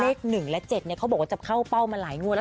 เลข๑และ๗เขาบอกว่าจะเข้าเป้ามาหลายงวดแล้ว